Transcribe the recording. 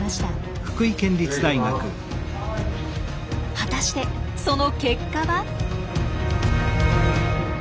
果たしてその結果は？